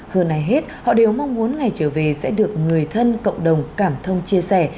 hơn ai hết họ đều mong muốn ngày trở về sẽ được người thân cộng đồng cảm thông chia sẻ